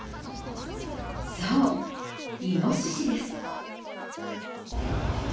そう、イノシシです。